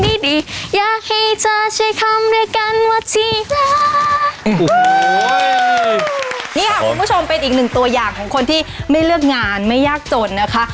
นี่ค่ะคุณผู้ชมเป็นอีกหนึ่งตัวอย่างของคนที่ไม่เลือกงานไม่ยากจนนะคะ